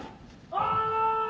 おい！